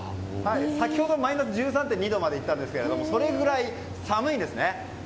先ほどはマイナス１３．２度までいったんですけれどもそれぐらい寒いんですね。